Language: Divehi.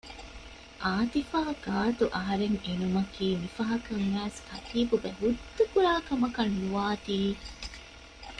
އާތިފާ ގާތު އަހަރެން އިނުމީ މި ފަހަކަށް އައިސް ކަތީބުބެ ހުއްދަކުރާ ކަމަކަށް ނުވާތީ